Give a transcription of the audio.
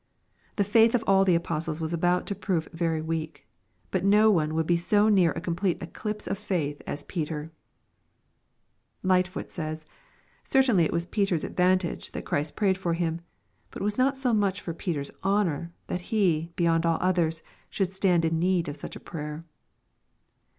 The faith of all the apostles was about to prove very weak, but no one would be so near a complete eclipse of failh as Peter I Ligbtfoot says, •' Certainly it was Peter's advantage, that Christ prayed for him ; but it was not so much for Peter's honor, that be, beyond all others, sliouid stand in need of such a prayer."